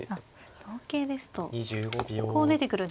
同桂ですとこう出てくるんですね。